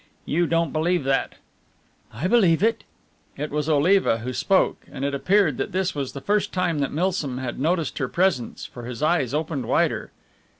You don't believe that?" "I believe it." It was Oliva who spoke, and it appeared that this was the first time that Milsom had noticed her presence, for his eyes opened wider.